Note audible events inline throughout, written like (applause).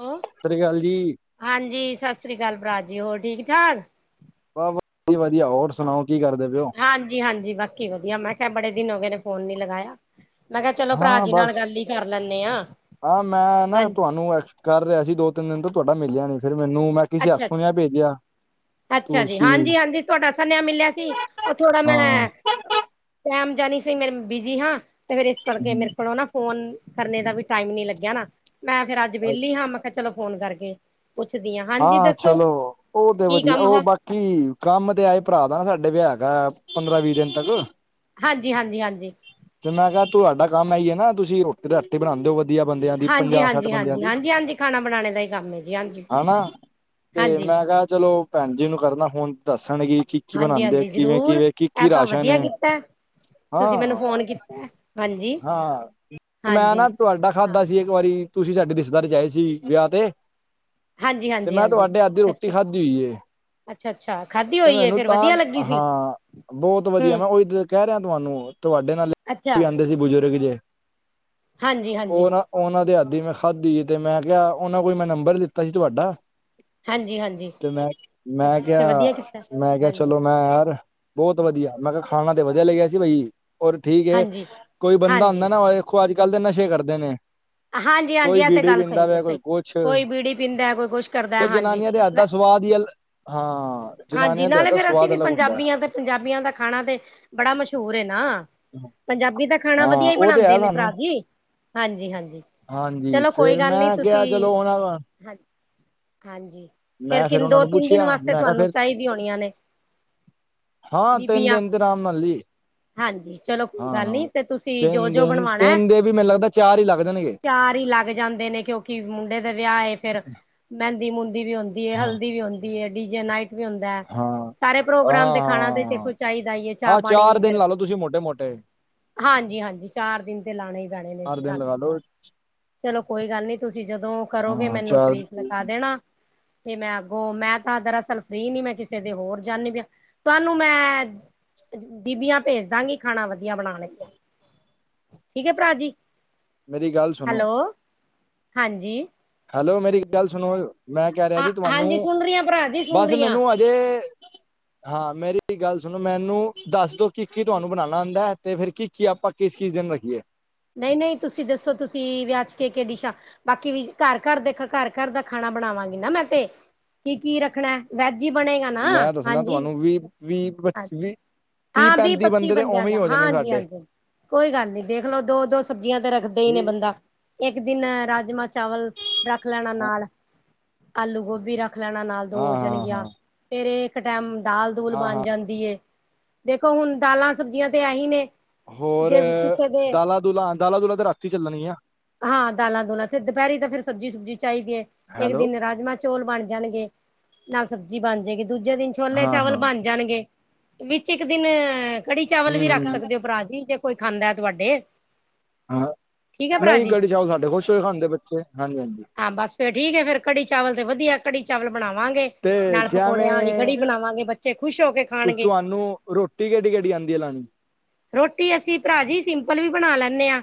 ਹੈਂ ਸਤਿ ਸ਼੍ਰੀ ਅਕਾਲ ਜੀ ਹਾਂਜੀ ਸਤਿ ਸ਼੍ਰੀ ਅਕਾਲ ਭਰਾ ਜੀ ਹੋਰ ਠੀਕ ਠਾਕ ਬ ਵ ਵਧੀਆ ਹੋਰ ਸੁਣਾਓ ਕੀ ਕਰਦੇ ਪਿਓ ਹਾਂਜੀ ਹਾਂਜੀ ਬਾਕੀ ਵਧੀਆ ਮੈਂ ਕਿਹਾ ਬੜੇ ਦਿਨ ਹੋ ਗਏ ਨੇ ਫੋਨ ਨੀ ਲਗਾਇਆ ਮੈਂ ਕਿਹਾ ਚਲੋ ਭਰਾ ਹਾਂ ਜੀ ਨਾਲ ਬਸ ਗੱਲ ਹੀ ਕਰ ਲੈਂਦੇ ਆਾਂ ਆਹ ਮੈਂ ਨਾ ਹਾਂਜੀ ਤੁਹਾਨੂੰ ਕਰ ਰਿਹਾ ਸੀ ਦੋ ਤਿੰਨ ਦਿਨ ਤੋਂ ਤੁਹਾਡਾ ਮਿਲਿਆ ਨਹੀਂ ਫਿਰ ਮੈਨੂੰ ਮੈਂ ਕਿਸੇ ਹੱਥ ਅੱਛਾ ਅੱਛਾ ਸੁਣਿਆ ਭੇਜਿਆ ਅੱਛਾ ਜੀ ਤੁਸੀਂ ਹਾਂਜੀ ਹਾਂਜੀ ਤੁਹਾਡਾ ਸੰਨਹਾ ਮਿਲਿਆ ਸੀ ਉਹ ਥੋੜਾ ਹਾਂ ਮੈਂ ਟਮ ਜਾਣੀ ਸੀ ਮੇ ਬਿਜੀ ਹਾਂ ਤੇ ਫ਼ਿਰ ਇਸ ਕਰਕੇ ਮੇਰੇ ਕੋਲੋਂ ਨਾ ਫੋਨ ਕਰਨੇ ਦਾ ਵੀ ਟਾਈਮ ਨੀ ਲੱਗਿਆ ਨਾ ਮੈਂ ਫੇਿਰ ਅੱਜ ਵਿਹਲੀ ਹਾਂ ਚਲੋ ਫੋਨ ਕਰਕੇ ਪੁੱਛਦੀ ਹਾਂ ਹਾਂਜੀ ਹਾਂ ਦੱਸੋ ਚਲੋ ਉਹ ਤੇ ਕੀ ਵਧੀਆ ਕੰਮ ਉਹ ਹੈ ਬਾਕੀ ਕੀ ਕੰਮ ਤੇ ਆਏ ਭਰਾ ਦਾ ਨਾ ਸਾਡੇ ਵਿ ਹੈਗਾ ਪੰਦਰਾਂ ਵੀਹ ਦਿਨ ਤੱਕ ਹਾਂਜੀ ਹਾਂਜੀ ਹਾਂਜੀ ਤੇ ਮੈਂ ਕਿਹਾ ਤੁਹਾਡਾ ਕੰਮ ਹੈ ਹੀ ਹੈ ਨਾ ਤੁਸੀਂ ਰੋਟੀ ਰ ਰਾਟੀ ਬਣਾਉਂਦੇ ਹੋ ਵਧੀਆ ਬੰਦਿਆਂ ਦੀ ਹਾਂਜੀ ਪੰਜਾਹ ਸੱਠ ਹਾਂਜੀ ਬੰਦਿਆਂ ਹਾਂਜੀ ਦੀ। ਹਾਂਜੀ ਹਾਂਜੀ ਖਾਣਾ ਬਣਾਣੇ ਦਾ ਹੀ ਕੰਮ ਹੈ ਜੀ ਹਾਂਜੀ ਹਨਾ ਤੇ ਹਾਂਜੀ, ਮੈਂ ਕਿਹਾ ਚਲੋ ਭੈਣ ਜੀ ਨੂੰ ਕਰਨਾ ਹੁਣ ਦੱਸਣਗੇ ਕਿ ਕੀ ਹਾਂਜੀ, ਬਣਾਉਂਦੇ ਆ ਹਾਂਜੀ ਕਿਵੇਂ ਜ਼ਰੂਰ ਕਿਵੇਂ ਕੀ ਇਹ ਕੀ ਤਾਂ ਰਾਸ਼ਨ ਵਧੀਆ ਕੀਤਾ ਤੁਸੀਂ ਮੈਨੂੰ ਹਾਂ ਫੋਨ ਕੀਤਾ ਹਾਂਜੀ, ਹਾਂ ਮੈਂ ਹਾਂਜੀ। ਨਾ ਤੁਹਾਡਾ ਹਾਂ, ਖਾਧਾ ਸੀ ਇੱਕ ਵਾਰੀ ਤੁਸੀਂ ਸਾਡੇ ਰਿਸ਼ਤੇਦਾਰ ਜਾਏ ਸੀ ਵਿਆਹ ਤੇ ਹਾਂਜੀ, ਤੇ, ਹਾਂਜੀ, ਮੈਂ, ਤੁਹਾਡੇ ਹੱਥ ਦੀ ਰੋਟੀ ਖਾਧੀ ਹੋਈ ਏ। ਅੱਛਾ-ਅੱਛਾ। ਖਾਧੀ? ਮ ਹੋਈ ਹੈ ਇਹਨੂੰ, ਫੇਰ ਤਾਂ, ਵਧੀਆ ਮ, ਲੱਗੀ ਸੀ ਹਾਂ (unintelligible) ਬਹੁਤ ਵਧੀਆ ਹੂੰ ''ਮੈਂ ਉਹੀ ਕਹਿ ਰਿਹਾ ਤੁਹਾਨੂੰ, ਤੁਹਾਡੇ ਨਾਲ ਅੱਛਾ ਆਉਂਦੇ ਸੀ ਬਜ਼ੁਰਗ ਜੇ। ਹਾਂਜੀ, ਹਾਂਜੀ, ਹੋਰ? ਉਹਨਾਂ ਦੇ ਹੱਥ ਦੀ ਮੈਂ ਖਾਧੀ ਤੇ, ਮੈਂ, ਕਿਹਾ ਉਹਨਾਂ ਕੋਲ ਮੈਂ, ਨੰਬਰ ਲਿੱਤਾ ਸੀ ਤੁਹਾਡਾ। ਹਾਂਜੀ, ਹਾਂਜੀ ਤੇ, ਮੈਂ, ਮੈਂ, ਅੱਛਾ ਤੇ ਕਿਹਾ ਵਧੀਆ ਕੀਤਾ ''ਮੈਂ ਕਿਹਾ ਹਾਂਜੀ, ਚਲੋ, ਮੈਂ ਯਾਰ, ਬਹੁਤ ਵਧੀਆ ਮੈਂ ਕਿਹਾ ਖਾਣਾ ਤੇ, ਵਧੀਆ ਲਗਿਆ ਸੀ ਬਾਈ। ਹੋਰ ਠੀਕ ਏ, ਹਾਂਜੀ, ਕੋਈ ਬੰਦਾ ਹਾਂਜੀ, ਹੁੰਦਾ ਨਾ ਦੇਖੋ, ਅੱਜ-ਕੱਲ ਤੇ ਨਸ਼ੇ ਕਰਦੇ ਨੇ ਹਾਂਜੀ- ਹਾਂਜੀ, ਕੋਈ ਐ, ਤੇ ਬੀੜੀ ਗੱਲ ਸਹੀ ਪੀਂਦਾ ਹੈ, ਪਿਆ ਕੋਈ ਸਹੀ, ਕੋਈ ਬੀੜੀ ਪੀਂਦਾ, ਕੋਈ ਕੁਛ ਕਰ ਜੋ ਜਨਾਨੀਆਂ ਦੇ ਹੱਥ ਦਾ ਸਵਾਦ ਹੀ, ਅਲ ਹਾਂ। ਹਾਂਜੀ, ਜਨਾਨੀਆਂ ਦੇ ਹੱਥ ਨਾਲੇ ਦਾ ਫੇਰ ਅਸੀਂ ਸਵਾਦ ਵੀ ਅਲੱਗ ਹੁੰਦਾ ਪੰਜਾਬੀ ਆਂ, ਤੇ ਪੰਜਾਬੀਆਂ ਦਾ ਖਾਣਾ ਤੇ ਬੜਾ ਮਸ਼ਹੂਰ ਏ ਨਾ। ਹੈ। ਪੰਜਾਬੀ ਦਾ ਖਾਣਾ ਵਧੀਆ ਹਾਂ ਹੀ ਉਹ ਤੇ ਹੈ ਬਣਾਂਦੇ ਨੇ ਸਾਨੂੰ ਭਰਾ ਜੀ। ਹਾਂਜੀ- ਹਾਂਜੀ। ਹਾਂਜੀ ਚਲੋ ਕੋਈ ਫੇਰ ਗੱਲ ਨਹੀਂ, ਮੈਂ ਤੁਸੀਂ, ਕਿਹਾ ਚਲੋ ਉਹਨਾਂ ਹਾਂਜੀ ਹਾਂਜੀ, ਫਿਰ ਮੈਂ ਫੇਰ ਕਿਨ ਉਹਨਾਂ ਦੋ- ਨੂੰ ਤਿੰਨ ਦਿਨ, ਪੁੱਛਿਆ ਵਾਸਤੇ ਮੈਂ ਕਿਹਾ ਤੁਹਾਨੂੰ ਫੇਰ ਚਾਹੀਦੀਆਂ ਹੋਣੀਆਂ ਨੇ। ਹਾਂ, ਤਿਨ ਬੀਬੀਆਂ ਦਿਨ ਤੇ, ਅਰਾਮ ਨਾਲ ਹੀ। ਹਾਂਜੀ, ਚਲੋ ਕੋਈ ਗੱਲ ਨਹੀਂ, ਤੇ, ਤੁਸੀਂ ਤਿੰਨ ਜੋ-ਜੋ ਬਣਵਾਣਾ ਦਿਨ ਦੇ ਵੀ, ਮੈਨੂੰ ਲੱਗਦਾ ਚਾਰ ਹੀ ਲੱਗ ਜਾਣਗੇ। ਚਾਰ ਹੀ ਲੱਗ ਜਾਂਦੇ ਨੇ, ਕਿਉਂਕਿ ਮੁੰਡੇ ਦੇ ਵਿਆਹ ਏ, ਫਿਰ ਮਹਿੰਦੀ-ਮੂੰਦੀ ਵੀ ਹੁੰਦੀਏ, ਹਾਂ ਹਲਦੀ ਵੀ ਹੁੰਦੀ ਹੈ, ਡੀਜੇ ਨਾਈ ਵੀ ਹੁੰਦਾ ਹਾਂ ਸਾਰੇ ਪ੍ਰੋਗਰਾਮ ਦੇ ਖਾਣਾ ਤੇ, ਖਾਣਾ ਤੇ ਦੇਖੋ ਹਾਂ ਚਾਹੀਦਾ ਏ, ਹਾਂ ਚਾਹ-ਪਾਣੀ ਚਾਰ ਦਿਨ ਲਾ ਲਓ, ਤੁਸੀਂ ਮ੍ਹੋਟੇ-ਮ੍ਹੋਟੇ ਹਾਂਜੀ- ਹਾਂਜੀ, ਚਾਰ ਦਿਨ ਤੇ ਲਾਣੇ ਹੀ ਪੈਣੇ ਨੇ ਚਾਰ ਜੀ, ਦਿਨ ਹਨ ਲਗਾ ਲਓ ਚਲੋ ਕੋਈ ਗੱਲ ਨੀ, ਤੁਸੀਂ ਜਦੋਂ ਕਰੋਗੇ ਹਾਂ ਮੈਨੂੰ ਚਾਰ ਤਰੀਕ ਲਖਾ ਦੇਣਾ। ਤੇ, ਮੈਂ, ਅੱਗੋਂ, ਮੈਂ, ਤਾਂ ਦਰਅਸਲ ਫ੍ਰੀ ਨੀ, ਮੈਂ ਕਿਸੇ ਦੇ, ਹੋਰ ਜਾਂਦੀ ਪਿਆ ਤੁਹਾਨੂੰ ''ਮੈਂ ਬੀਬੀਆਂ ਭੇਜ ਦਾਂਗੀ ਖਾਣਾ ਵਧੀਆ ਬਣਾਣ ਦੀਆਂ। ਠੀਕ ਹੈ, ਭਰਾ ਜੀ। ਮੇਰੀ ਗੱਲ ਸੁਣੋ ਹੈਲੋ, ਹਾਂਜੀ। ਹੈਲੋ, ਮੇਰੀ ਹਾਂਜੀ ਗੱਲ ਸੁਣੋ, ਮੈਂ, ਕਹਿ ਰਿਹਾ ਹਾਂ ਜੀ ਤੁਹਾਨੂੰ, ਹਾਂਜੀ ਸੁਣ ਰਹੀ ਹਾਂ ਭਰਾ ਜੀ ਸੁਣ ਬਸ ਰਹੀ ਹਾਂ ਮੈਨੂੰ ਅੱਜ ਹਾਂ, ਮੇਰੀ ਵੀ ਗੱਲ ਸੁਣੋ, ਮੈਨੂੰ ਦੱਸਦੋ ਕੀ-ਕੀ ਤੁਹਾਨੂੰ ਬਣਾਵ ਆਂਦਾ ਹੈ, ਤੇ ਫਿਰ, ਕੀ-ਕੀ ਆਪਾਂ, ਕਿਸ-ਕਿਸ ਦਿਨ ਰੱਖੀਏ? ਨਹੀਂ-ਨਹੀਂ, ਤੁਸੀਂ ਦੱਸੋ, ਤੁਸੀਂ ਵਿਆ'ਚ ਕੇ, ਕੇ ਡਿਸ਼ਾਂ ਬਾਕੀ ਵੀ, ਘਰ-ਘਰ ਦੇ, ਘਰ-ਘਰ ਦਾ ਖਾਣਾ ਬਣਾਵਾਂਗੀ ਨਾ, ਮੈਂ ਤੇ, ਕੀ- ਕੀ ਰੱਖਣਾ? ਵੈਜ ਹੀ ਬਣੇਗਾ ਨਾ? ਮੈਂ ਦੱਸਣਾ ਹਾਂਜੀ। ਤੁਹਾਨੂੰ ਵੀਹ ਵੀਹ, ਹਾਂ ਬੱਚੀ ਵੀ ਹਾਂ, ਵੀਹ-ਪੱਚੀ ਬੰਦਿਆਂ ਦਾ, ਹਾਂਜੀ- ਸਾਡੇ ਹਾਂਜੀ। ਕੋਈ ਗੱਲ ਨੀ ਦੇਖਲੋ, ਦੋ-ਦੋ ਸਬਜ਼ੀਆਂ ਤੇ ਰੱਖਦੇ ਹੀ ਨੇ ਠੀਕ ਬੰਦਾ ਇੱਕ ਦਿਨ, ਰਾਜਮਾਂ, ਚਾਵਲ ਰੱਖ ਲੈਣਾ ਹਾਂ ਨਾਲ, ਆਲੂ-ਗੋਭੀ ਰੱਖ ਖ ਲੈਣਾ ਨਾਲ ਦੋ ਹੋ ਹਾਂ ਜਾਣਗੀਆਂ, ਹਾਂ ਫਿਰ ਇਹ ਇੱਕ ਟਾਈਮ ਦਾਲ ਦੂਲ ਹਾਂ ਬਣ ਹਾਂ ਜਾਂਦੀ ਏ। ਦੇਖੋ ਹੁਣ ਦਾਲਾਂ ਸਬਜ਼ੀਆਂ ਤੇ ਐਹੀ ਨੇ ਹੋਰ ਜੇ ਕਿਸੇ ਦੇ ਦਾਲਾਂ ਦੁਲਾਂ ਦਾਲਾਂ ਦੁਲਾਂ ਤੇ ਰਾਤੀ ਚੱਲਣ ਗੀਆ ਹਾਂ ਦਾਲਾਂ ਦੂਲਾਂ ਫਿਰ ਦੁਪਹਿਰੀ ਤਾਂ ਫਿਰ ਸਬਜ਼ੀ ਸੁਬਜ਼ੀ ਚਾਹੀਦੀ ਹੈ ਇੱਕ ਹੈਲੋ ਦਿਨ ਰਾਜਮਾ ਚੋਲ ਬਣ ਜਾਣਗੇ ਨਾਲ ਸਬਜ਼ੀ ਬਣ ਜਾਏਗੀ ਦੂਜੇ ਦਿਨ ਛੋਲੇ ਹਾਂ ਚਾਵਲ ਹਾਂ ਬਣ ਜਾਣਗੇ ਵਿੱਚ ਇੱਕ ਦਿਨ ਕੜੀ-ਚਾਵਲ ਹਮ ਵੀ ਰੱਖ ਹਮ ਸਕਦੇ ਹੋ, ਭਰਾ ਜੀ, ਜ ਕੋਈ, ਖਾਂਦਾ ਤੁਹਾਡੇ। ਹਾਂ, ਠੀਕ ਹੈ ਭਰਾ ਨਹੀਂ, ਜੀ ਕੜੀ ਚਾਓ ਸਾਡੇ ਖੁਸ਼ ਹੋਏ ਖਾਂਦੇ ਬੱਚੇ, ਹਾਂਜੀ- ਹਾਂਜੀ। ਫਿਰ ਠੀਕੇ ਫਿਰ, ਕੜੀ ਚਾਵਲ ਤੇ ਵਧੀਆ, ਕੜੀ ਚਵਲ ਬਣਾਵਾਂਗੇ। ਤੇ ਨਾਲ ਪਕੌੜਿਆਂ ਵਾਲੀ ਜਿਵੇਂ ਕੜੀ ਬਣਾਵਾਂਗੇ, ਬੱਚੇ ਖ਼ੁਸ਼ ਹੋਕੇ ਖਾਣਗੇ। ਰ੍ਹੋਟੀ, ਕਿਹੜੀ-ਕਿਹਡੀ ਆਂਦੀ ਆ, ਲਾਣੀ? ਰ੍ਹੋਟੀ ਅਸੀਂ ਭਰਾ ਜੀ, ਸਿੰਪਲ ਵੀ ਬਣਾ ਲੈਂਨੇ ਆ।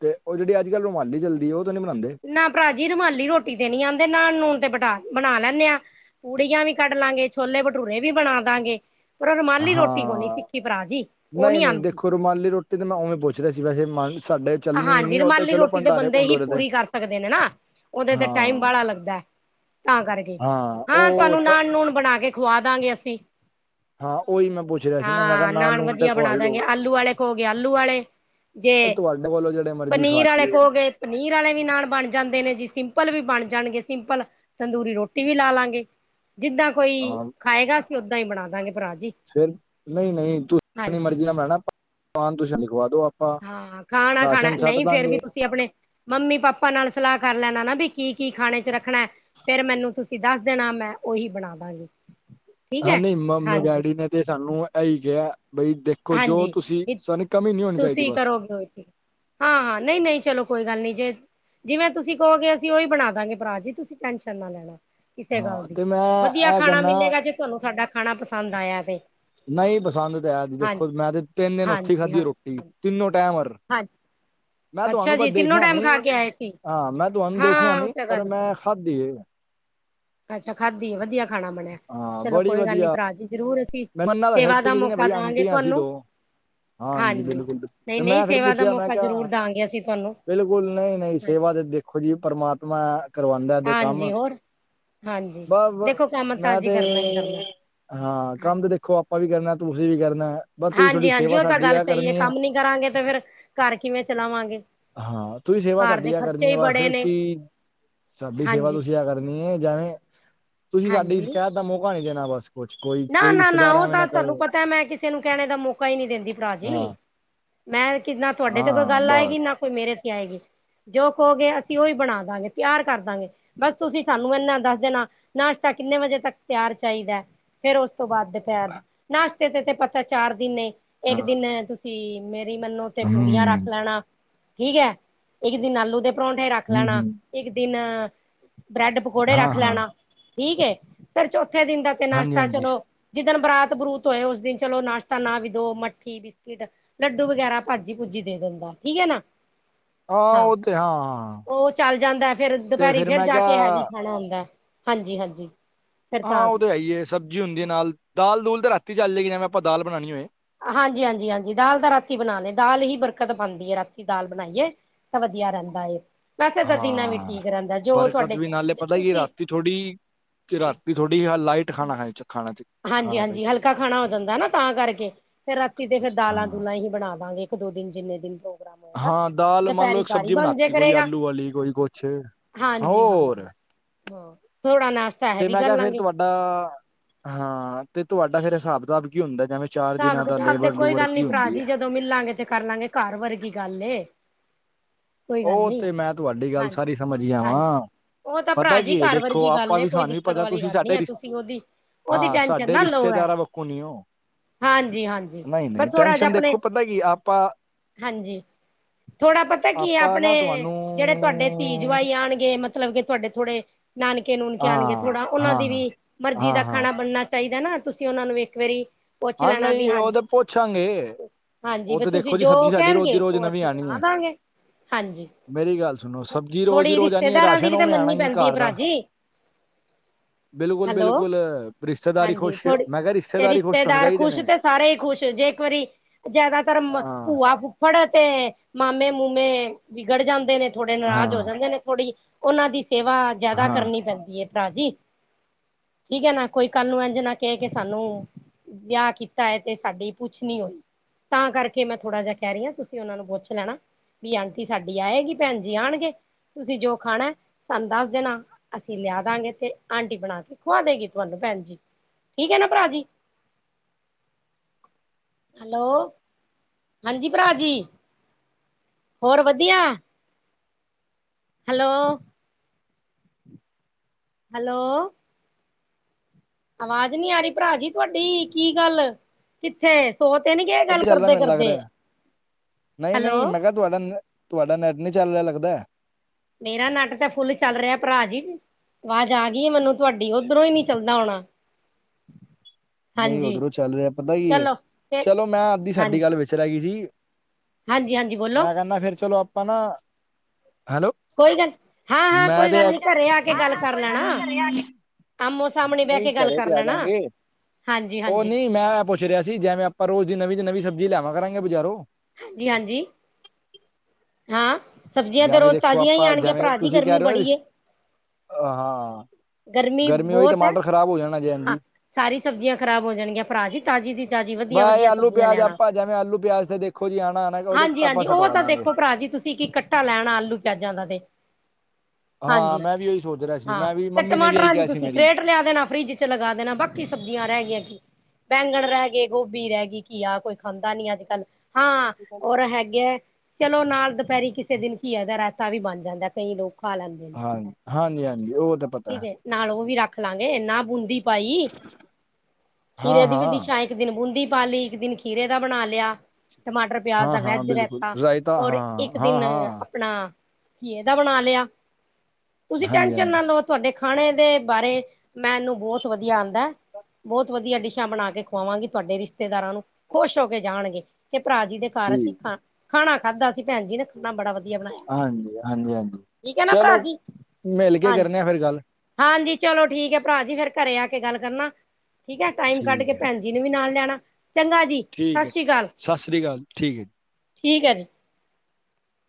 ਤੇ, ਉਹ ਜਿਹੜੀ ਅੱਜ-ਕੱਲ ਰੁਮਾਲੀ ਚਲਦੀ, ਉਹ ਤ, ਨਹੀਂ ਬਣਾਂਦੇ। ਨਾ ਭਰਾ ਜੀ, ਰੁਮਾਲੀ ਰੋਟੀ ਤੇ ਨੀ ਆਂਦੀ, ਨਾਲ ਨੂਣ ਤੇ ਬਟਾ ਬਣਾ ਲੈਂਦੇ ਆਂ। ਪੂੜੀਆਂ ਵੀ ਕੱਢ ਲਾਂਗੇ, ਛੋਲੇ-ਭਟੂਰੇ ਵੀ ਬਣਾ ਦਾਂਗੇ। ਪਰ ਰੁਮਾਲੀ ਰੋਟੀ ਕੋਨੀ ਹਾਂ ਸਿੱਖੀ ਭਰਾ ਜੀ ਉਹ ਨਹੀਂ ਨੀ ਨਹੀਂ ਆਉਂਦੀ ਦੇਖੋ ਰੁਮਾਲੀ ਰੋਟੀ ਤੇ ਮੈਂ ਉਵੇਂ ਪੁੱਛ ਰਿਹਾ ਸੀ ਵੈਸੇ ਮ ਸਾਡੇ ਚੱਲਣੀ ਵੀ ਹਾਂਜੀ ਨਹੀਂ ਉਹ ਤੇ ਰੁਮਾਲੀ ਚਲੋ ਰੋਟੀ ਦੇ ਭੰਡਾਰੇ ਬੰਦੇ ਹੀ ਭੰਡੋਰੇ ਤੇ ਪੂਰੀ ਕਰ ਸਕਦੇ ਨੇ ਨਾ ਉਹਦੇ ਤੇ ਟਾਈਮ ਹਾਂ ਬਾਹਲਾ ਲੱਗਦਾ ਤਾਂ ਕਰਕੇ ਹਾਂ ਉਹ ਤੁਹਾਨੂੰ ਤਾਂ ਨਾਨ ਨੂਣ ਬਣਾ ਕੇ ਖਵਾ ਦਾਂਗੇ ਅਸੀਂ ਹਾਂ ਉਹੀ ਮੈਂ ਪੁੱਛ ਰਿਹਾ ਸੀ ਨਾ ਮੈਂ ਕਿਹਾ ਨਾਨ ਨੂਨ ਤੇ ਵਧੀਆ ਖਵਾ ਬਣਾ ਹੀ ਦਾਂਗੇ ਦੋਗੇ ਆਲੂ ਵਾਲੇ ਕਹੋ ਗੇ ਆਲੂ ਵਾਲੇ ਜੇ (unintelligible) ਖਾ ਪਨੀਰ ਆਲੇ ਲਈਏ ਕਹੋ ਗੇ ਪਨੀਰ ਵਾਲੇ ਵੀ ਨਾਲ ਬਣ ਜਾਂਦੇ ਨੇ ਜੀ ਸਿੰਪਲ ਵੀ ਬਣ ਜਾਣਗੇ ਸਿੰਪਲ ਤੰਦੂਰੀ ਰੋਟੀ ਵੀ ਲਾ ਲਾਂਗੇ ਜਿੱਦਾਂ ਕੋਈ ਹਾਂ ਖਾਏਗਾ ਅਸੀਂ ਓਦਾਂ ਹੀ ਬਣਾ ਦਾਂਗੇ ਭਰਾ ਜੀ ਫਿਰ ਨਹੀਂ ਹਾਂਜੀ (unintelligible) ਪਾਨ ਤੁਸੀ ਸਾਨੂੰ ਖਵਾ ਦਉ ਹਾਂ ਖਾਣਾ ਖਾਣਾ ਨਹੀਂ ਫੇਰ ਵੀ ਤੁਸੀਂ ਆਪਣੇ ਮੰਮੀ ਪਾਪਾ ਨਾਲ ਸਲਾਹ ਕਰ ਲੈਣਾ ਨਾ ਵੀ ਕੀ ਕੀ ਖਾਣੇ ਚ ਰੱਖਣਾ ਹੈ ਫਿਰ ਮੈਨੂੰ ਤੁਸੀਂ ਦੱਸ ਦੇਣਾ ਮੈਂ ਉਓਹੀ ਬਣਾ ਦਾਂਗੀ ਠੀਕ ਹਾਂ ਹੈ ਨਹੀਂ ਮੰਮੀ ਹਾਂਜੀ ਡੈਡੀ ਨੇ ਤੇ ਸਾਨੂੰ ਇਹੀ ਕਿਹਾ ਬਈ ਦੇਖ ਦੇਖੋ ਜੋ ਹਾਂਜੀ ਤੁਸੀਂ ਵੀ ਸਾਨੂੰ ਕਮੀ ਨਹੀਂ ਹੋਣੀ ਚਾਹੀਦੀ ਬਸ (unintelligible) ਹਾਂ ਹਾਂ ਨਹੀਂ ਨਹੀਂ ਚਲੋ ਕੋਈ ਗੱਲ ਨਹੀ ਜੇ ਜਿਵੇਂ ਤੁਸੀਂ ਕਹੋਗੇ ਅਸੀਂ ਉਹੀ ਬਣਾ ਦਾਂਗੇ ਭਰਾ ਜੀ ਤੁਸੀਂ ਟੈਨਸ਼ਨ ਨਾ ਲੈਣਾ ਕਿਸੇ ਹਾਂ ਗੱਲ ਦੀ ਤੇ ਮੈਂ ਵਧੀਆ ਇਹ ਖਾਣਾ ਕਹਿੰਦਾ ਮਿਲੇਗਾ ਜੇ ਤੁਹਾਨੂੰ ਸਾਡਾ ਖਾਣਾ ਪਸੰਦ ਆਇਆ ਤੇ ਨਹੀਂ ਬਸੰਤ ਤਾਂ ਹੈ ਹਾਂ ਦੇਖੋ ਮੈਂ ਤੇ ਤਿੰਨ ਦਿਨ ਉੱਥੇ ਹੀ ਖਾਧੀ ਹਾਂ ਰੋਟੀ ਤਿੰਨੋ ਟਾਈਮ ਵਰ ਹਾਂਜੀ ਮੈਂ ਤੁਹਾਨੂੰ ਅੱਛਾ ਪਰ ਜੀ ਤਿੰਨੋ ਦੇਖਿਆ ਨੀ ਟਾਈਮ ਖਾ ਕੇ ਆਏ ਸੀ ਹਾਂ ਮੈਂ ਤੁਹਾਨੂੰ ਦੇਖਿਆ ਹਾਂ ਉਹ ਨੀ ਤਾਂ ਪਰ ਗੱਲ ਮੈਂ ਸਹੀ ਖਾਦੀ ਏ ਅੱਛਾ ਖਾਧੀ ਆ ਵਧੀਆ ਖਾਣਾ ਬਣਿਆ ਹਾਂ ਚਲੋ ਬੜੀ ਕੋਈ ਗੱਲ ਨੀ ਵਧੀਆ ਭਰਾ ਜੀ ਜਰੂਰ ਅਸੀਂ ਮੈਨੂੰ ਇਹਨਾਂ ਦੱਸਿਆ ਸੇਵਾ ਸੀ ਦਾ ਕਿਸੇ ਨੇ ਮੌਕਾ ਬਈ ਦੇਵਾਂਗੇ ਆਂਟੀਆਂ ਸੀ ਤੁਹਾਨੂੰ ਦੋ ਹਾਂਜੀ ਬਿਲਕੁਲ ਨਹੀਂ ਤੇ ਨਹੀਂ ਮੈਂ ਫਿਰ ਸੇਵਾ ਦਾ ਪੁੱਛਿਆ ਮੈਂ ਮੌਕਾ ਜ਼ਰੂਰ ਕਿਹਾ ਦਾਂਗੇ ਅਸੀਂ ਤੁਹਾਨੂੰ ਬਿਲਕੁਲ ਨਹੀਂ ਨਹੀਂ ਹਾਂਜੀ ਸੇਵਾ ਤੇ ਦੇਖੋ ਜੀ ਪਰਮਾਤਮਾ ਕਰਵਾਉਂਦਾ ਏਦੇ ਕੰਮ ਹਾਂਜੀ ਹੋਰ ਹਾਂਜੀ ਬ ਦੇਖੋ ਕੰਮ ਤਾਂ ਮੈਂ ਅੱਜ ਤੇ ਕਰਨਾ ਹੀ ਕਰਨਾ ਹਾਂ ਕੰਮ ਤੇ ਹਾਂਜੀ ਦੇਖੋ ਆਪ ਆਪਾਂ ਵੀ ਕਰਨਾ ਤੁਸੀ ਵੀ ਕਰਨਾ ਬਸ ਤੁਸੀਂ ਤੁਹਾਡੀ ਹਾਂਜੀ ਹਾਂਜੀ ਸੇਵਾ ਉਹ ਤਾਂ ਸਾਡੀ ਗੱਲ ਆ ਸਹੀ ਹੈ ਕਰਨੀ ਕੰਮ ਨੀ ਕਰਾਂਗੇ ਤੇ ਫਿਰ ਘਰ ਕਿਵੇਂ ਚਲਾਵਾਂਗੇ ਹਾਂ ਤੁਸੀਂ ਸੇਵਾ ਘਰ ਸਾਡੀ ਦੇ ਆ ਖਰਚੇ ਕਰਨੀ ਆ ਹੀ ਬਸ ਬੜੇ ਨੇ ਕੀ ਸਾਡੀ ਸੇਵਾ ਹਾਂਜੀ ਤੁਸੀਂ ਆ ਕਰ ਜਾਵੇ ਤੁਸੀਂ ਸਾਡੀ ਹਾਂਜੀ ਸ਼ਿਕਾਇਤ ਦਾ ਮੌਕਾ ਨਹੀਂ ਦੇਣਾ ਬਸ ਕੁਛ ਕੋਈ ਨਾ ਕੋਈ ਨਾ ਨਾ ਰਿਸ਼ਤੇਦਾਰ ਉਹ ਐਵੇਂ ਤਾਂ ਤੁਹਾਨੂੰ ਕਹੇ ਪਤਾ ਮੈਂ ਕਿਸੇ ਨੂੰ ਕਹਿਣੇ ਦਾ ਮੌਕਾ ਹੀ ਨਹੀਂ ਦਿੰਦੀ ਭਰਾ ਜੀ ਹਾਂ ਮੈਂ ਕਿ ਨਾ ਤੁਹਾਡੇ ਤੇ ਕੋਈ ਹਾਂ ਗੱਲ ਆਏਗੀ ਨਾ ਬਸ ਕੋਈ ਮੇਰੇ ਤੇ ਆਏਗੀ ਜੋ ਕਹੋਗੇ ਅਸੀਂ ਉਹੀ ਬਣਾ ਦਾਂਗੇ ਤਿਆਰ ਕਰ ਦਾਂਗੇ ਬਸ ਤੁਸੀਂ ਸਾਨੂੰ ਇਨਾ ਦੱਸ ਦੇਣਾ ਨਾਸ਼ਤਾ ਕਿੰਨੇ ਵਜੇ ਤੱਕ ਤਿਆਰ ਚਾਹੀਦਾ ਫੇਰ ਉਸ ਤੋਂ ਬਾਅਦ ਦੁਪਹਿਰ ਨਾਸ਼ਤੇ ਤੇ ਤੇ ਪਤਾ ਚਾਰ ਦਿਨ ਇੱਕ ਹਾਂ ਦਿਨ ਤੁਸੀਂ ਮੇਰੀ ਮੰਨੋ ਤੇ ਹਮ ਪੂੜੀਆਂ ਰੱਖ ਲੈਣਾ ਠੀਕ ਹੈ। ਇੱਕ ਦਿਨ ਆਲੂ ਦੇ ਪਰੌਂਠੇ ਰੱਖ ਹਮ ਲੈਣਾ ਹਮ ਇੱਕ ਦਿਨ ਬ੍ਰੈਡ ਪਕੌੜੇ ਹਾਂ ਰੱਖ ਹਾਂ ਲੈਣਾ। ਠੀਕ ਹੈ ਪਰ ਚੌਥੇ ਦਿਨ ਦਾ ਹਾਂਜੀ ਹਾਂਜੀ ਜਿਸਦ ਦਿਨ ਬਰਾਤ ਬਰੂਤ ਹੋਏ ਉਸ ਦਿਨ ਚਲੋ ਨਾਸ਼ਤਾ ਨਾ ਵੀ ਦੋ ਮੱਠੀ ਵੀ ਬਿਸਕਿਟ ਲੱਡੂ ਵਗੈਰਾ ਭਾਜੀ ਭੂਜੀ ਦੇ ਦਿੰਦਾ ਠੀਕ ਹੈ ਨਾ ਹਾਂ ਉਹ ਤੇ ਹਾਂ ਉਹ ਚੱਲ ਜਾਂਦਾ ਫਿਰ ਤੇ ਦੁਪਹਿਰੀ ਫਿਰ ਮੈਂ ਜਾ ਕੇ ਹੈਵੀ ਕਿਹਾ ਖਾਣਾ ਆਂਦਾ ਹਾਂਜੀ ਹਾਂਜੀ ਹਾਂ ਉਹ ਤਾਂ ਹੈ ਹੀ ਏ ਸਬਜ਼ੀ ਹੁੰਦੀ ਹੈ ਨਾਲ ਦਾਲ ਦੂਲ ਤਾਂ ਰਾਤੀ ਚੱਲ ਜਾਏਗੀ ਜਵੇਂ ਆਪਾਂ ਦਾਲ ਬਣਾਉਣੀ ਹੋਏ ਹਾਂਜੀ ਹਾਂਜੀ ਹਾਂਜੀ ਦਾਲ ਦਾ ਰਾਤੀ ਬਣਾ ਲਏ ਦਾਲ ਹੀ ਬਰਕਤ ਪਾਂਦੀ ਏ ਰਾਤੀ ਦਾਲ ਬਣਾਈਏ ਤਾਂ ਵਧੀਆ ਰਹਿੰਦਾ ਏ, ਵੈਸੇ ਤਾਂਦੀ ਨਾਲ ਵੀ ਹਾਂ ਠੀਕ ਰਹਿੰਦਾ ਜੋ ਬਰਕਤ ਤੁਹਾਡੇ ਵੀ ਨਾਲੇ ਪਤਾ ਹੀ ਤੁਸੀਂ ਰਾਤੀ ਥੋੜੀ ਕਿ ਰਾਤੀ ਥੋੜੀ ਲਾਈਟ ਖਾਣਾ ਹੈ ਖਾਣਾ ਚ ਹਾਂਜੀ, ਹਾਂਜੀ ਹਲਕਾ ਖਾਣਾ ਹੋ ਜਾਂਦਾ ਨਾ, ਤਾਂ ਕਰਕੇ ਫਿਰ ਰਾਤੀ ਤੇ ਫੇਰ ਦਾਲਾਂ ਹਾਂ ਦੂਲਾਂ ਹੀ ਬਣਾ ਦਾਂਗੇ। ਇੱਕ ਦੋ ਦਿਨ ਜਿੰਨੇ ਦਿਨ ਰੂ ਹਾਂ ਦਾਲ ਮੰਨ ਲੋਓ ਇੱਕ ਸਬਜ਼ੀ ਬਣਾਤੀ ਕੋਈ ਆਲੂ ਵਾਲੀ, ਕੋਈ ਕੁਛ ਹਾਂਜੀ, ਹੋਰ ਹਾਂਜੀ ਹਾਂ ਥੋੜਾ ਨਾਸ਼ਤਾ ਇਹ ਵੀ ਕਰ ਲਾਂਗੇ। ਡ ਹਾਂ ਤੇ ਤੁਹਾਡਾ ਫੇਰ ਹਿਸਾਬ ਕਿਤਾਬ ਕੀ ਹੁੰਦਾ ਜੀਵੇ? ਹਿਸਾਬ ਕਿਤਾਬ ਤੇ ਕੋਈ ਗੱਲ ਨੀ ਭਰਾ ਜੀ ਜਦੋਂ ਮਿਲਾਂਗੇ ਤੇ ਕਰ ਲਾਂਗੇ ਘਰ ਵਰਗੀ ਗੱਲ ਏ। ਕੋਈ ਗੱਲ ਉਹ ਨੀ ਤੇ ਮੈਂ ਤੁਹਾਡੀ ਗੱਲ ਸਾਰੀ ਸਮਝ ਆ ਹਾਂਜੀ-ਹਾਂਜੀ ਵਾਂ। ਉਹ ਤਾਂ ਭਰਾ ਪਤਾ ਜੀ ਕੀ ਹੈ ਘਰ ਦੇਖੋ ਵਰਗੀ ਗੱਲ ਆਪਾਂ ਏ ਵੀ ਕੋਈ ਸਾਨੂੰ ਵੀ ਦਿੱਕਤ ਪਤਾ ਵਾਲੀ ਤੁਸੀਂ ਗੱਲ ਨੀ ਸਾਡੇ ਹੈ ਰਿਸ਼ਤੇ ਤੁਸੀਂ ਉਹਦੀ ਉਹਦੀ ਹਾਂ ਟੈਨਸ਼ਨ ਸਾਡੇ ਨਾ ਲਓ ਐ ਰਿਸ਼ਤੇਦਾਰਾਂ ਵੱਕੂ ਨੀ ਓਊ ਹਾਂਜੀ-ਹਾਂਜੀ ਨਹੀਂ, ਨਹੀ ਬਸ ਹੀਂ ਥੋੜਾ ਜਿਹਾ ਟੈਸ਼ਨ ਆਪਣੇ ਦੇਖੋ ਪਤਾ ਕੀ ਆਪਾਂ ਹਾਂਜੀ ਥੋੜ੍ਹਾ ਪਤਾ ਕੀ ਆਪਾਂ ਆਪਣੇ ਨਾ ਤੁਹਾਨੂੰ ਜਿਹੜੇ ਤੁਹਾਡੇ ਧੀ ਜਵਾਈ ਆਣਗੇ ਮਤਲਬ ਕਿ ਤੁਹਾਡੇ ਥੋੜੇ ਨਾਨਕੇ, ਨੂਨਕੇ ਆਣਗੇ ਹਾਂ ਥੋੜਾ ਓਨਾਂ ਹਾਂ ਦੀ ਵੀ ਮਰਜ਼ੀ ਹਾਂ ਦਾ ਹਾਂ ਖਾਣਾ ਬਣਨਾ ਚਾਹੀਦਾ ਨਾ ਤੁਸੀਂ ਓਨਾਂ ਨੂੰ ਇੱਕ ਵਾਰੀ ਪੁੱਛ ਹਾਂ ਲੈਣਾ ਵੀ ਨਹੀਂ ਉਹ ਹਾਂਜੀ, ਤੇ ਪੁੱਛਾਂਗੇ ਹਾਂਜੀ ਉਹ ਵੀ ਤੇ ਤੁਸੀਂ ਦੇਖੋ ਜੀ ਜੋ ਸਬਜ਼ੀ ਸਾਡੀ ਰੋਜ਼ ਦੀ ਕਹਿਣਗੇ ਰੋਜ਼ ਉਹ ਨਵੀਂ ਅਸੀਂ ਆਣੀ ਹੈ ਬਣਾ (unintelligible) ਹਾਂਜੀ, ਮੇਰੀ ਗੱਲ ਸੁਣੋ ਸਬਜ਼ੀ ਰੋਜ਼ ਦੀ ਥੋੜੀ ਰੋਜ਼ ਆਣੀ ਹੈ ਰਿਸ਼ਤੇਦਾਰਾਂ ਦੀ ਰਾਸ਼ਨ ਵੀ ਤਾਂ ਉਵੇਂ ਆਣਾ ਮੰਨਣੀ ਹੀ ਹੈ ਪੈਂਦੀ ਆ ਘਰ ਦਾ ਭਰਾਜੀ। (inaudible) ਬਿਲਕੁਲ, ਬਿਲਕੁਲ ਰਿਸ਼ਤੇਦਾਰੀ ਖੁਸ਼ ਮੈਂ ਕਿਹਾ ਰਿਸ਼ਤੇਦਾਰੀ ਖੁਸ਼ ਹੋਣੇ ਦਾਰ ਚਾਹੀਦੇ ਖੁਸ਼ ਨੇ ਤੇ ਸਾਰੇ ਹੀ ਖੁਸ਼ ਜੇ ਇੱਕ ਵਾਰੀ ਜ਼ਿਆਦਾਤਰ ਹਾਂ ਭੂਆ ਫੁੱਫੜ ਤੇ ਮਾਮੇ-ਮੂਮੇ ਵਿਗੜ ਜਾਂਦੇ ਨੇ ਥੋੜੇ ਨਾਰਜ਼ ਹੋ ਹਾਂ ਜਾਂਦੇ ਨੇ। ਥੋੜੀ ਓਨਾਂ ਦੀ ਸੇਵਾ ਜਿਆਦਾ ਹਾਂ ਕਰਨੀ ਪੈਂਦੀ ਏ। ਰਾਜੀ ਠੀਕ ਹੈ ਨਾ, ਕੋਈ ਕੱਲ ਨੂੰ ਇੰਝ ਨਾ ਕਹਿ ਕੇ ਸਾਨੂੰ ਵਿਆਹ ਕੀਤਾ ਐ, ਤੇ ਸਾਡੀ ਪੁੱਛ ਨੀ ਹੋਈ। ਤਾਂ ਕਰਕੇ ਮੈਂ ਥੋੜਾ ਜਿਹਾ ਕਹਿ ਰਹੀ ਆ ਤੁਸੀਂ ਉਹਨਾਂ ਨੂੰ ਪੁੱਛ ਲੈਣਾ। ਵੀ ਆਂਟੀ ਸਾਡੀ ਆਏਗੀ, ਭੈਣ ਜੀ ਆਣਗੇ। ਤੁਸੀਂ ਜੋ ਖਾਣਾ ਸਾਨੂੰ ਦੱਸ ਦੇਣਾ ਅਸੀਂ ਲਿਆ ਦਾਂਗੇ ਤੇ ਆਂਟੀ ਬਣਾ ਕੇ ਖਵਾ ਦੇਗੀ ਤੁਹਾਨੂੰ ਭੈਣ ਜੀ। ਠੀਕ ਐ ਨਾ ਭਰਾ ਜੀ? ਹੈਲੋ ਹਾਂਜੀ, ਭਰਾ ਜੀ। ਹੋਰ ਵਧੀਆ? ਹੈਲੋ ਹੈਲੋ ਆਵਾਜ਼ ਨੀ ਆ ਰਈ ਭਰਾ ਜੀ ਤੁਹਾਡੀ। ਕੀ ਗੱਲ ਕਿੱਥੇ? ਸੋ ਤੇ ਨੀ ਗਏ ਉਹ ਗੱਲ ਤਾਂ ਚੱਲ ਰਿਹਾ ਕਰਦੇ, ਮੈਨੂੰ ਲੱਗ ਕਰਦੇ। ਰਿਹਾ ਨਹੀਂ ਹੈਲੋ ਨਹੀਂ ਮੈਂ ਕਿਹਾ ਤੁਹਾਡਾ, ਤੁਹਾਡਾ ਨੈਟ ਨੀ ਚੱਲ ਰਿਹਾ ਲੱਗਦਾ। ਮੇਰਾ ਨਟ ਤਾਂ ਫੁੱਲ ਚੱਲ ਰਿਹਾ ਭਰਾ ਜੀ ਆਵਾਜ਼ ਆ ਗਈ ਮੈਨੂੰ ਤੁਹਾਡੀ ਓਧਰੋਂ ਈ ਨੀ ਚੱਲਦਾ ਹੋਣਾ। ਨਹੀਂ ਹਾਂਜੀ, ਉਧਰੋਂ ਚੱਲ ਰਿਹਾ ਪਤਾ ਕੀ ਹੈ ਚਲੋ ਤੇ ਚਲੋ ਮੈਂ ਅੱਧੀ ਸਾਡੀ ਹਾਂਜੀ, ਗੱਲ ਵਿਚ ਰਹਿ ਗਈ ਸੀ ਹਾਂਜੀ-ਹਾਂਜੀ ਬੋਲੋ, ਮੈਂ ਕਹਿੰਦਾ ਫਿਰ ਚਲੋ ਆਪਾਂ ਨਾ ਹੈਲੋ ਕੋਈ ਗੱਲ ਹਾਂ ਹਾਂ ਮੈਂ ਕੋਈ ਤੇ ਗੱਲ ਨੀ ਘਰੇ ਆ ਕੇ ਗੱਲ ਕਰ ਲੈਣਾ ਆਮੋ-ਸਾਹਮਣੇ ਬਹਿ ਨਹੀਂ ਕੇ ਗੱਲ ਘਰੇ ਕਰ ਤੇ ਆ ਲੈਣਾ। ਜਾਾਂਗੇ ਹਾਂਜੀ, ਉਹ ਹਾਂਜੀ ਨਹੀਂ ਮੈਂ ਪੁੱਛ ਰਿਹਾ ਸੀ ਜਿਵੇਂ ਆਪਾਂ ਰੋਜ਼ ਦੀ ਨਵੀਂ ਤੇ ਨਵੀਂ ਸਬਜੀ਼ ਲਿਆਵਾਂ ਕਰਾਂਗੇ ਬਜ਼ਾਰੋਂ ਹਾਂਜੀ, ਹਾਂਜੀ ਹਾਂ ਸਬਜ਼ੀਆਂ ਤਾਂ ਜਿਵੇਂ ਰੋਜ਼ ਦੇਖੋ ਤਾਜ਼ੀਆਂ ਹੀ ਆਪਾਂ ਆਣਗੀਆਂ ਜਿਵੇਂ ਭਰਾ ਜੀ ਤੁਸੀਂ ਕਹਿ ਗਰਮੀ ਰਹੇ ਹੋ ਨਾ ਬੜੀ ਰਿਸ ਏ। ਹਾਂ ਗਰਮੀ ਹੋਈ ਬਹੁਤ ਹੈ ਟਮਾਟਰ ਖ਼ਰਾਬ ਹੋ ਜਾਣਾ ਜੈਨ ਹਾਂ ਜੀ। ਸਾਰੀ ਸਬਜ਼ੀਆਂ ਖਰਾਬ ਹੋ ਜਾਣਗੀਆਂ ਭਰਾ ਜੀ ਤਾਜ਼ੀ ਦੀ ਤਾਜ਼ੀ ਵਧੀਆ, ਬਸ ਇਹ ਵਧੀਆ ਆਲੂ ਸਬਜ਼ੀਆਂ ਪਿਆਜ ਲਿਆਣਾ। ਆਪਾਂ ਜਿਵੇਂ ਆਲੂ ਪਿਆਜ ਤੇ ਦੇਖੋ ਜੀ ਆਣਾ ਆਣਾ ਉਹਦੇ ਹਾਂਜੀ, ਆਪਾਂ ਹਾਂਜੀ ਉਹ ਸਟਵਾ ਤਾਂ ਦੇਖ ਦਾਂਗੇ ਦੇਖੋ ਭਰਾ ਜੀ ਤੁਸੀਂ ਕੀ ਕੱਟਾ ਲੈਣਾ ਆਲੂ ਪਿਆਜਾਂ ਦਾ ਤੇ? ਹਾਂ ਹਾਂਜੀ ਮੈਂ ਵੀ ਉਹੀ ਸੋਚ ਰਿਹਾ ਸੀ। ਹਾਂ ਮੈਂ ਵੀ ਤੇ ਮੰਮੀ ਨੇ ਵੀ ਇਹੀ ਟਮਾਟਰਾਂ ਦੀ ਕਿਹਾ ਸੀ ਤੁਸੀਂ ਮੇਰੀ ਕਰੇਟ ਲਿਆ ਦੇਣਾ ਫਰਿਜ ਚ ਲਗਾ ਦੇਣਾ ਬਾਕੀ ਸਬਜ਼ੀਆਂ ਰਹਿ ਗਈਆਂ ਕੀ ਬੈਂਗਣ ਰਹਿ ਗਏ ਗੋਭੀ ਰਹਿ ਗਈ ਘੀਆ ਕੋਈ ਖਾਂਦਾ ਨੀ ਅੱਜ ਕੱਲ੍ਹ ਹਾਂ ਔਰ ਹੈਗੇ ਹੈ ਚਲੋ ਨਾਲ ਦੁਪਹਿਰੀ ਕਿਸੇ ਦਿਨ ਕੀ ਹੈਦਾ ਰਾਤੀ ਵੀ ਬਣ ਜਾਂਦਾ ਕਈ ਲੋਕ ਖਾ ਲੈਂਦੇ ਨੇ ਹਾਂਜੀ ਹਾਂਜੀ ਹਾਂਜੀ ਉਹ ਤਾਂ ਪਤਾ ਠੀਕ ਹੈ ਨਾਲ ਉਹ ਵੀ ਰੱਖ ਲਾਂਗੇ ਨਾ ਬੂੰਦੀ ਪਾਈ ਹਾਂ ਖੀਰੇ ਦੀ ਵੀ ਹਾਂ ਦਿਸ਼ਾ ਇੱਕ ਦਿਨ ਬੂੰਦੀ ਪਾ ਲਈ ਇੱਕ ਦਿਨ ਖੀਰੇ ਦਾ ਬਣਾ ਲਿਆ ਟਮਾਟਰ ਪਿਆਜ ਹਾਂ ਦਾ ਹਾਂ ਵੈਜ ਬਿਲਕੁਲ ਰਹਿਤਾ ਰਾਇਤਾ ਔਰ ਹਾਂ ਇੱਕ ਹਾਂ ਦਿਨ ਹਾਂ ਆਪਣਾ ਬਣਾ ਲਿਆ ਤੁਸੀਂ ਹਾਂਜੀ ਟੈਸ਼ਨ ਨਾ ਹਾਂਜੀ ਲਓ ਤੁਹਾਡੇ ਖਾਣੇ ਦੇ ਬਾਰੇ ਮੈਨੂੰ ਬਹੁਤ ਵਧੀਆ ਆਉਂਦਾ ਬਹੁਤ ਵਧੀਆ ਡਿਸ਼ਾਂ ਬਣਾ ਕੇ ਖਵਾਵਾਂਗੀ ਤੁਹਾਡੇ ਰਿਸ਼ਤੇਦਾਰਾਂ ਨੂੰ ਖੁਸ਼ ਹੋ ਕੇ ਜਾਣਗੇ ਤੇ ਭਰਾ ਜੀ ਦੇ ਘਰ ਸੀ ਠੀਕ ਖਾ ਖਾਣਾ ਖਾਧਾ ਸੀ ਭੈਣ ਜੀ ਨਾ ਆਪਣਾ ਬੜਾ ਵਧੀਆ ਬਣਾਇਆ ਹਾਂਜੀ ਹਾਂਜੀ ਹਾਂਜੀ ਕੀ ਕਹਿਣਾ ਭਰਾ ਜੀ ਹਾਂਜੀ ਫੇਿਰ ਗੱਲ ਹਾਂਜੀ ਚਲੋ ਠੀਕ ਹੈ ਭਰਾ ਜੀ ਫੇਰ ਘਰੇ ਆ ਕੇ ਗੱਲ ਕਰਨਾ ਠੀਕ ਹੈ ਟਾਈਮ ਕੱਢ ਕੇ ਠੀਕ ਹੈ ਭੈਣ ਦੀਦੀ ਜੀ ਨੂੰ ਵੀ ਨਾਲ ਲਿਆਣਾ ਚੰਗਾ ਜੀ ਠੀਕ ਹੈ ਸ੍ਰੀ ਸਤਿ ਅਕਾਲ ਸ਼੍ਰੀ ਅਕਾਲ ਠੀਕ ਹੈ ਜੀ ਠੀਕ ਹੈ ਜੀ